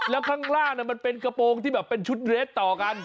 แล้วข้างล่างมันเป็นกระโปรงที่แบบเป็นชุดเรสต่อกัน